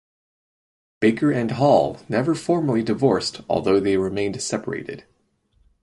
Baker and Hall never formally divorced although they remained separated.